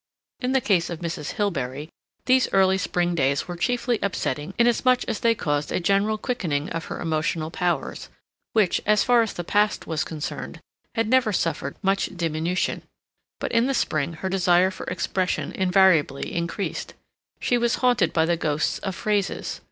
In the case of Mrs. Hilbery, these early spring days were chiefly upsetting inasmuch as they caused a general quickening of her emotional powers, which, as far as the past was concerned, had never suffered much diminution. But in the spring her desire for expression invariably increased. She was haunted by the ghosts of phrases.